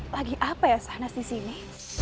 lagi apa ya sahnas disini